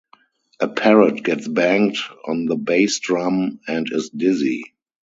A parrot gets banged on the bass drum and is dizzy.